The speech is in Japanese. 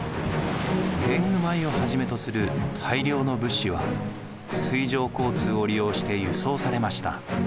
年貢米をはじめとする大量の物資は水上交通を利用して輸送されました。